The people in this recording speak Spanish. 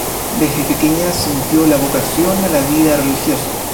Desde pequeña sintió la vocación a la vida religiosa.